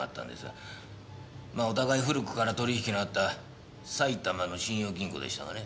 まあお互い古くから取引のあった埼玉の信用金庫でしたがね。